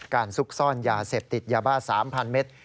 ซุกซ่อนยาเสพติดยาบ้า๓๐๐เมตร